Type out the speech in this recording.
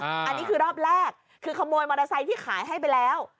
อันนี้คือรอบแรกคือขโมยมอเตอร์ไซค์ที่ขายให้ไปแล้ว